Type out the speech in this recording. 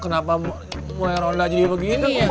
kenapa mulai ronda jadi begini